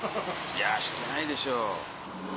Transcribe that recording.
いやしてないでしょ。